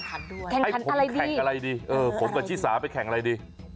อะไรดีผมกับชิซาไปแข่งอะไรดี